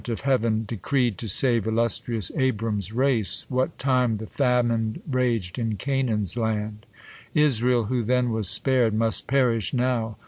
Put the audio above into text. of Heav'n, Decreed to save illustrious Abram's race, What time the famine rag'd in Canaan's land. Israel, who then was spar'd, must perish now!